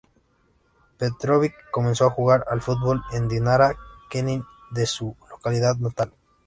Petković comenzó a jugar al fútbol en el Dinara Knin de su localidad natal.